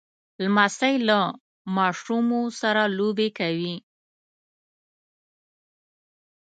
لمسی له ماشومو سره لوبې کوي.